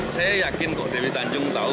saya yakin kok dewi tanjung tahu